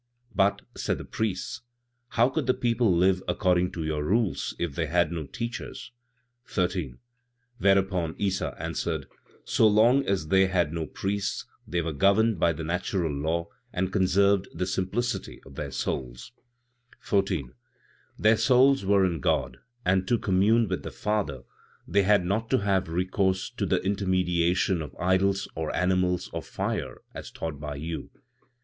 "But," said the priests, "how could the people live according to your rules if they had no teachers?" 13. Whereupon Issa answered: "So long as they had no priests, they were governed by the natural law and conserved the simplicity of their souls; 14. "Their souls were in God and to commune with the Father they had not to have recourse to the intermediation of idols, or animals, or fire, as taught by you.